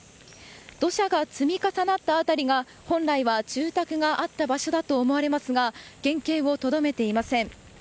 土砂が積み重なった辺りが本来は住宅があった場所だと思われますが原形をとどめていません。